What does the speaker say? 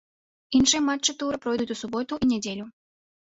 Іншыя матчы тура пройдуць у суботу і нядзелю.